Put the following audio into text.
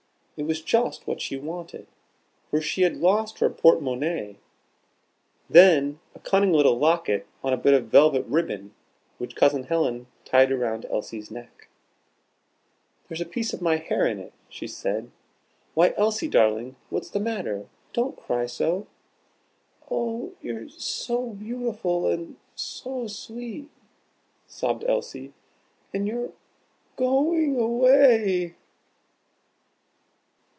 It was just what she wanted, for she had lost her porte monnaie. Then a cunning little locket on a bit of velvet ribbon, which Cousin Helen tied round Elsie's neck. "There's a piece of my hair in it," she said. "Why, Elsie, darling, what's the matter? Don't cry so!" "Oh, you're s o beautiful, and s o sweet!" sobbed Elsie; "and you're go o ing away."